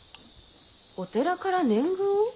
お寺から年貢を？